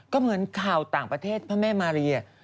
ก็เหมือนข่าวต่างประเทศพระแม่มารี